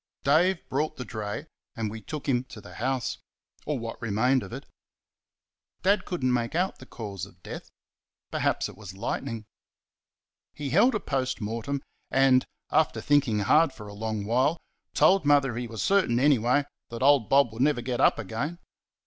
Dave brought the dray, and we took him to the house or what remained of it. Dad could n't make out the cause of death perhaps it was lightning. He held a POST MORTEM, and, after thinking hard for a long while, told Mother he was certain, anyway, that old Bob would never get up again.